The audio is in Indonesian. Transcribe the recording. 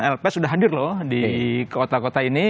lp sudah hadir loh di kota kota ini